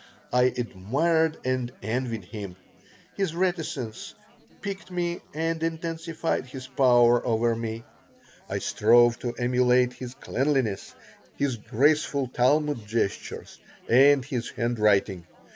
I admired and envied him. His reticence piqued me and intensified his power over me. I strove to emulate his cleanliness, his graceful Talmud gestures, and his handwriting.